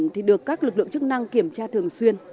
thì được các lực lượng chức năng kiểm tra thường xuyên